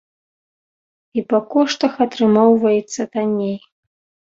І па коштах атрымоўваецца танней.